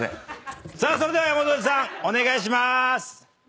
さあそれでは山添さんお願いしまーす。